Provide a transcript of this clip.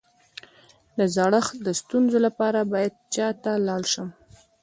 د زړښت د ستونزو لپاره باید چا ته لاړ شم؟